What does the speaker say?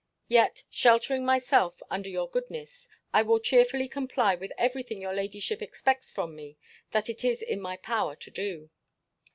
Yet, sheltering myself under your goodness, I will cheerfully comply with every thing your ladyship expects from me, that it is in my power to do.